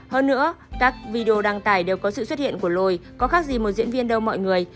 hơn nữa các video đăng tải đều có sự xuất hiện của lồi có khác gì một diễn viên đâu mọi người